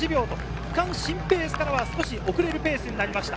区間新ペースからは少し遅れるペースになりました。